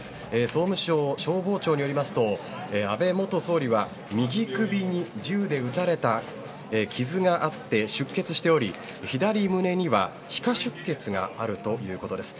総務省消防庁によりますと右首に銃で撃たれた傷があって出血しており、左胸には皮下出血があるということです。